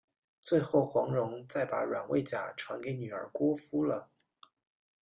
最后黄蓉再把软猬甲传给女儿郭芙了。